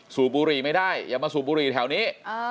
สูบบุหรี่ไม่ได้อย่ามาสูบบุหรี่แถวนี้